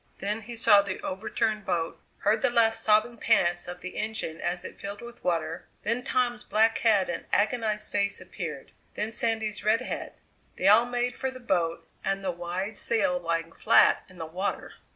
Then he saw the over turned boat, heard the last sobbing pants of the engine as it filled with water; then Tom's black head and agonized face appeared; then Sandy's red head. They all made for the boat and the wide sail lying flat in the water!